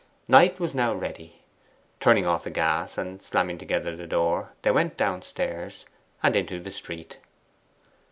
Knight was now ready. Turning off the gas, and slamming together the door, they went downstairs and into the street.